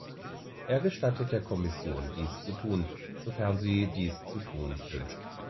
Er gestattet der Kommission, dies zu tun, sofern sie dies zu tun wünscht.